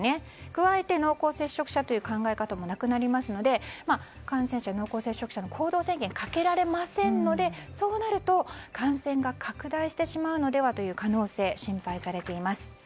加えて濃厚接触者という考え方もなくなりますので感染者、濃厚接触者に行動制限をかけられませんのでそうなると、感染が拡大してしまうのではという可能性が心配されています。